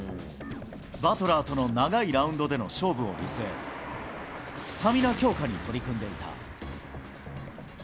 バトラーとの長いラウンドでの勝負を見据え、スタミナ強化に取り組んでいた。